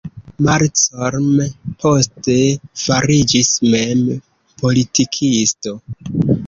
Malcolm poste fariĝis mem politikisto.